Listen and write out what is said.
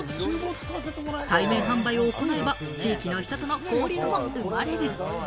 対面販売を行えば地域の人との交流も生まれる。